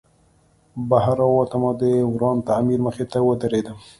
بهر راووتم او د وران تعمیر مخې ته ودرېدم